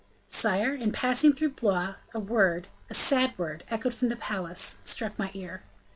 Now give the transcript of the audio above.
"Sire, in passing through Blois, a word, a sad word, echoed from the palace, struck my ear."